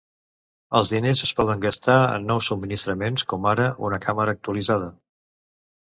Els diners es poden gastar en nous subministraments, com ara una càmera actualitzada.